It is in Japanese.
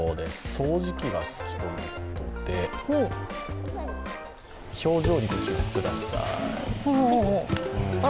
掃除機が好きということで、表情にご注目ください。